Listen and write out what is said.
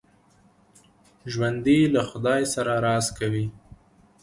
ژوندي له خدای سره راز کوي